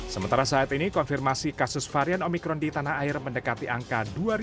sementara saat ini konfirmasi kasus varian omikron di tanah air mendekati angka dua